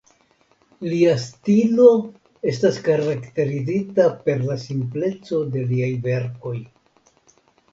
Lia stilo estas karakterizita per la simpleco de liaj verkoj.